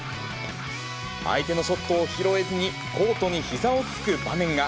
相手のショットを拾えずに、コートにひざをつく場面が。